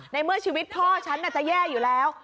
ในเมื่อชีวิตพ่อฉันจะแย่อยู่แล้ว